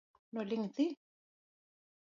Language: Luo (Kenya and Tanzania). Noling thii.